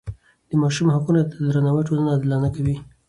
د ماشوم حقونو ته درناوی ټولنه عادلانه کوي.